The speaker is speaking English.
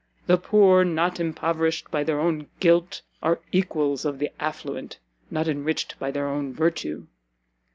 The Poor not impoverished by their own Guilt, are Equals of the Affluent, not enriched by their own Virtue.